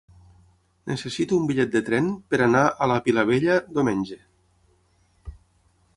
Necessito un bitllet de tren per anar a la Vilavella diumenge.